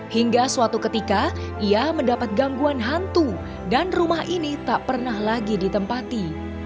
hingga suatu ketika ia mendapat gangguan hantu dan rumah ini tak pernah lagi ditempati